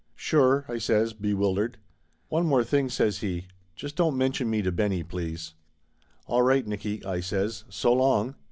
"Sure !" I says, bewildered. "One more thing," says he. "Just don't mention me to Benny, please." "All right, Nicky," I says. "So long."